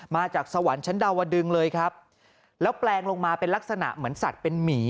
มาจากสวรรค์ชั้นดาวดึงเลยครับแล้วแปลงลงมาเป็นลักษณะเหมือนสัตว์เป็นหมี